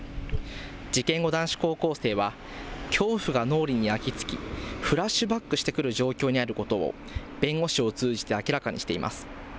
事件後、男子高校生は恐怖が脳裏に焼き付きフラッシュバックしてくる状況にあることを弁護士を通じて明らかにしています。